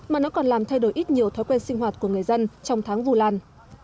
mà nó còn làm thay đổi ít nhiều thói quen sinh hoạt của người dân trong tháng vù lan